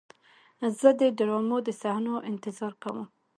زه د ډرامو د صحنو انتظار کوم.